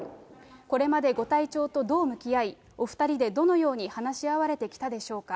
これまでご体調とどう向き合い、お２人でどのように話し合われてきたでしょうか。